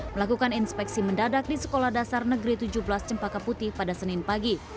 melakukan inspeksi mendadak di sekolah dasar negeri tujuh belas cempaka putih pada senin pagi